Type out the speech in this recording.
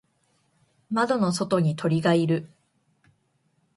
窓の外に鳥がいる。